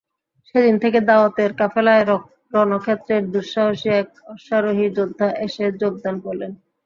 সেদিন থেকে দাওয়াতের কাফেলায় রণক্ষেত্রের দুঃসাহসী এক অশ্বারোহী যোদ্ধা এসে যোগদান করলেন।